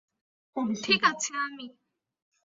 ঠিক আছে আমি।